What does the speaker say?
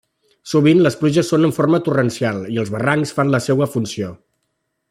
Sovint les pluges són en forma torrencial i els barrancs fan la seua funció.